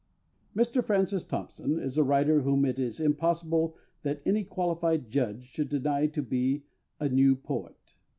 _ Mr Francis Thompson is a writer whom it is impossible that any qualified judge should deny to be a "new poet."